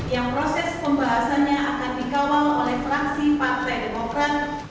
yang proses pembahasannya akan dikawal oleh fraksi partai demokrat